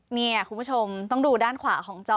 นี่คุณผู้ชมต้องดูด้านขวาของจอ